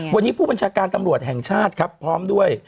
วันนี้ผู้บัญชาการตำรวจแห่งชาติครับพร้อมด้วย